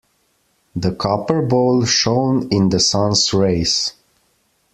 The copper bowl shone in the sun's rays.